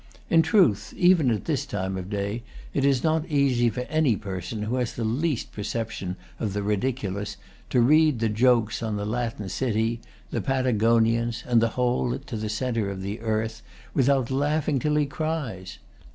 In truth, even at this time of day, it is not easy for any person who has the least perception of the ridiculous to read the jokes on the Latin city, the Patagonians, and the hole to the centre of the earth, without laughing till he cries.